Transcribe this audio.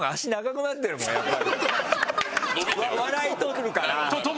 笑い取るから。